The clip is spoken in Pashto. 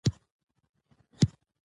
حالات په ذهن، وینه او ملکه اثر کوي.